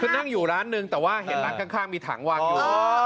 คือนั่งอยู่ร้านนึงแต่ว่าเห็นร้านข้างมีถังวางอยู่